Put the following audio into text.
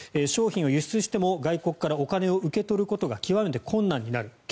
商品を輸出しても外国からお金を受け取ることが極めて困難になる。